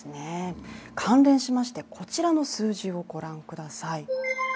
関連しまして、こちらの数字をご覧ください。